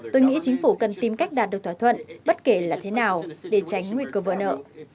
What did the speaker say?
tôi nghĩ chính phủ cần tìm cách đạt được thỏa thuận bất kể là thế nào để tránh nguy cơ vỡ nợ